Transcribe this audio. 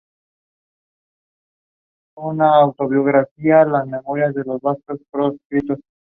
Comenzó su carrera diplomática siendo destinado a la Nunciatura Apostólica en la India.